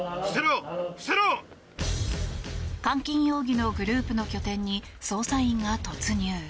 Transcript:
監禁容疑のグループの拠点に捜査員が突入。